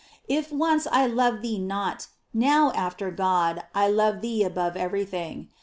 If once I loved thee not, now, after God, I love thee above everything.